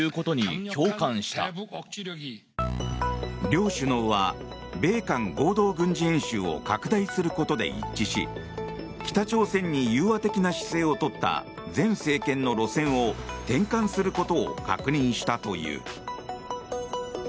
両首脳は米韓合同軍事演習を拡大することで一致し北朝鮮に融和的な姿勢をとった前政権の路線を転換することを確認したという。